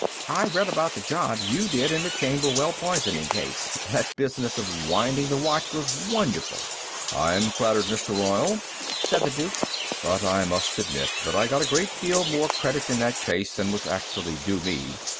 I read about the job you did in the Camberwell poisoning case. That business of winding the watch was wonderful." "I'm flattered, Mr. Royall," said the Duke, "but I must admit that I got a great deal more credit in that case than was actually due me.